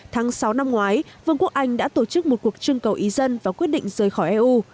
tháng sáu năm ngoái vương quốc anh đã tổ chức một cuộc trưng cầu ý dân và quyết định rời khỏi eu